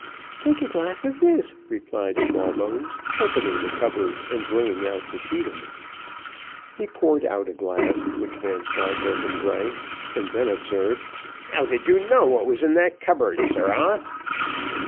"Take a glass of this," replied Smallbones, opening the cupboard, and bringing out the scheedam. He poured out a glass, which Vanslyperken drank, and then observed, "How did you know what was in that cupboard sirrah?"